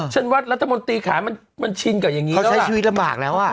ฉันว่ารัฐมนตรีขายมันชินกับอย่างนี้เขาใช้ชีวิตลำบากแล้วอ่ะ